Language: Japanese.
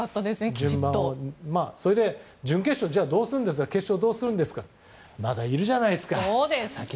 きちっと。じゃあ準決勝どうするんですか決勝どうするんですかまだいるじゃないですか。